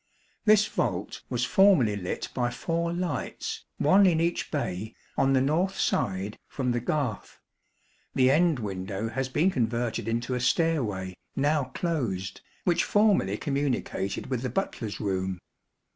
This vault was formerly lit by four lights, one in each bay, on the north side, from the garth. The end window has been converted into a stairway, now closed, which formerly communicated with the butler's room.